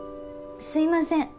すいません。